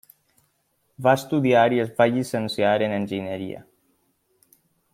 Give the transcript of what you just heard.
Va estudiar i es va llicenciar en enginyeria.